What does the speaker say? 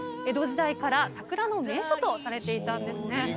江戸時代から桜の名所とされていたんですね。